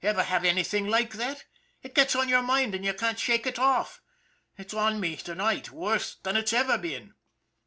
Ever have anything like that ? It gets on your mind and you can't shake it off. It's on me to night worse than it's ever been."